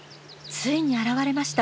ついに現れました。